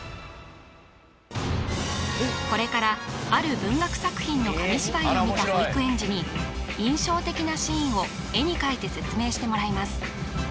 これからある文学作品の紙芝居を見た保育園児に印象的なシーンを絵に描いて説明してもらいます